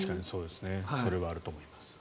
それはあると思います。